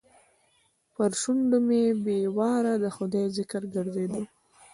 پر شونډو مې بې واره د خدای ذکر ګرځېده.